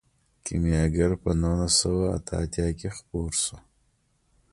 کیمیاګر په نولس سوه اته اتیا کې خپور شو.